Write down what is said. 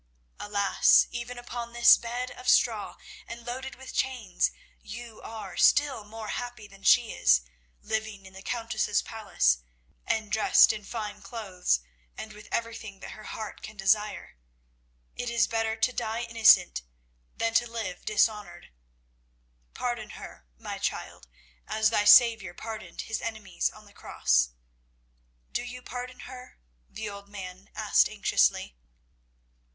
Alas, even upon this bed of straw, and loaded with chains, you are still more happy than she is, living in the Countess's palace and dressed in fine clothes, and with everything that her heart can desire. It is better to die innocent than to live dishonoured. Pardon her, my child, as thy Saviour pardoned His enemies on the cross. Do you pardon her?" the old man asked anxiously.